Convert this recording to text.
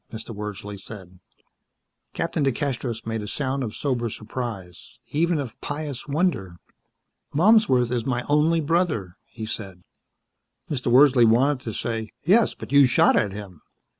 Mr. Wordsley said. Captain DeCastros made a sound of sober surprise. Even of pious wonder. "Malmsworth is my only brother," he said. Mr. Wordsley wanted to say, "Yes, but you shot at him."